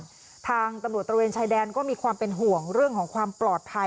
ทางตำรวจตรวจตำรวจตรวจตรวจตรวจชายแดนก็มีความเป็นห่วงเรื่องของความปลอดภัย